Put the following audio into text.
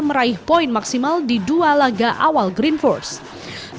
meraih poin maksimal di dua laga awal green force